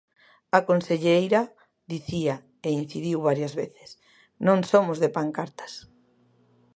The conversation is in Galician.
A conselleira dicía e incidiu varias veces: non somos de pancartas.